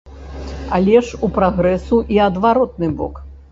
Але ж у прагрэсу і адваротны бок.